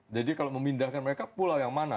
jadi kalau memindahkan mereka pulau yang mana